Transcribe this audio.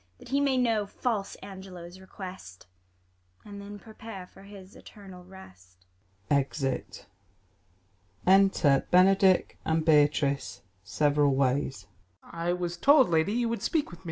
That he may know fiilse Angelo' s request, And then prepare for his eternal rest. \_Exit. Enter Benedick and Beatrice, several tvays. Ben. I was told, lady, you would speak with me.